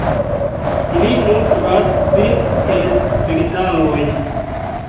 Ili nutras sin el vegetaloj.